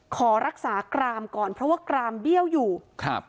ขอรักษากรามก่อนเพราะว่ากรามเบี้ยวอยู่ครับ